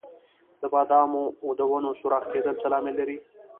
د بادامو د ونو سوراخ کیدل څه لامل لري؟